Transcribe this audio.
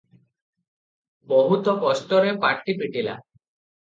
ବହୁତ କଷ୍ଟରେ ପାଟି ଫିଟିଲା ।